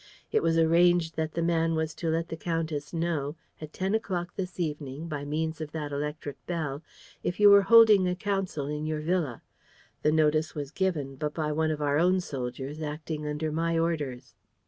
It was arranged that the man was to let the countess know, at ten o'clock this evening, by means of that electric bell, if you were holding a council in your villa. The notice was given, but by one of our own soldiers, acting under my orders."